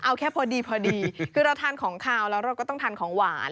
เอาแค่พอดีพอดีคือเราทานของขาวแล้วเราก็ต้องทานของหวาน